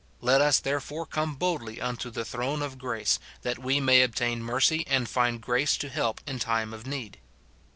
Let us therefore come boldly unto the throne of grace, that we may obtain mercy, and find grace to help in time of need."